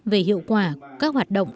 về hiệu quả các hoạt động